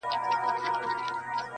سیاه پوسي ده، رنگونه نسته,